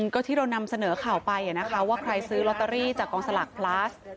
ก็ที่เรานำเสนอข่าวไปว่าใครซื้อลอตเตอรี่จากกองสลากพลัส